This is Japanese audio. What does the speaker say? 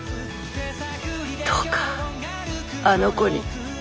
どうかあの子に！